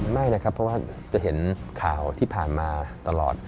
ไม่นะครับเพราะว่าจะเห็นข่าวที่ผ่านมาตลอด